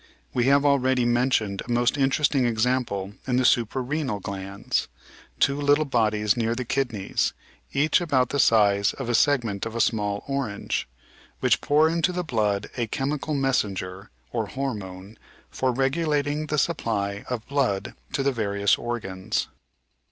We have already mentioned a most interesting example in the supra renal glands: two little bodies near the kidneys, each about the size of a segment of a small orange, which pour into the blood a "chemical messenger" (or hormone) for regulating the supply of blood to the various organs.